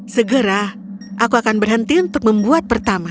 segera aku akan berhenti untuk membuat pertama